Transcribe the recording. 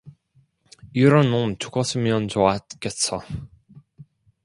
이런 놈 죽었으면 좋았겠어